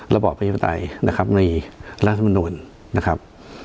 ระบอประชุมไตรนะครับมีลักษณะสมนุนนะครับ